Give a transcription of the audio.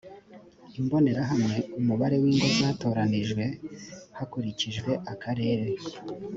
imbonerahamwe umubare w ingo zatoranijwe hakurikijwe akarere